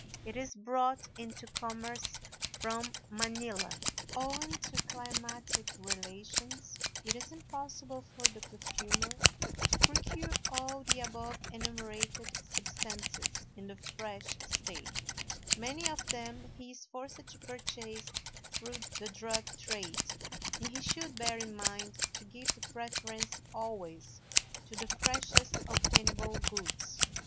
It is brought into commerce from Manilla. Owing to climatic relations, it is impossible for the perfumer to procure all the above enumerated substances in the fresh state; many of them he is forced to purchase through the drug trade, and he should bear in mind to give the preference always to the freshest obtainable goods.